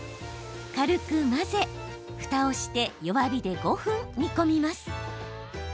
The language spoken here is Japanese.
軽く混ぜ、ふたをして弱火で５分煮込みます。